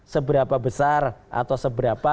seberapa besar atau seberapa